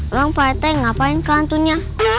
emang parete ngapain ke hantunya